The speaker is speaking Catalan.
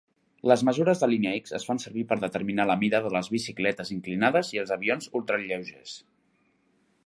Les mesures de línia x es fan servir per determinar la mida de les bicicletes inclinades i els avions ultralleugers.